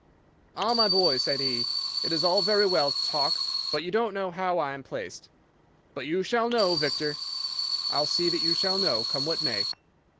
"'"Ah, my boy," said he, "it is all very well to talk, but you don't know how I am placed. But you shall know, Victor. I'll see that you shall know, come what may.